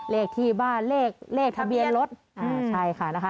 เลขที่บ้านเลขทะเบียนรถใช่ค่ะ